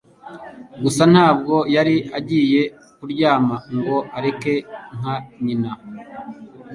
Gusa ntabwo yari agiye kuryama ngo areke nka nyina.